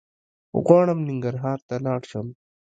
غواړم ننګرهار ته لاړ شم